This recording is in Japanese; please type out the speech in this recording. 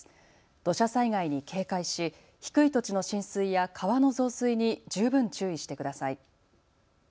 土砂災害に警戒し低い土地の浸水や川の増水に十分注意してください。